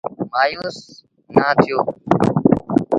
مآيوس نا ٿيو۔